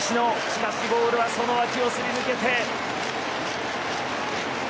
しかしボールはその脇をすり抜けて。